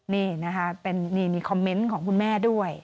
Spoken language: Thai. นี่นะคะมีคอมเม้นต์ของคุณแม่ด้วย